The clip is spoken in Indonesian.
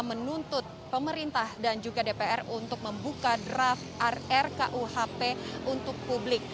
menuntut pemerintah dan juga dpr untuk membuka draft rrkuhp untuk publik